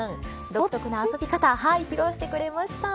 独特な遊び方を披露してくれました。